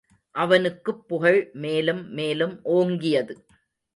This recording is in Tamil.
அவனுக்குப் புகழ் மேலும் மேலும் ஓங்கியது.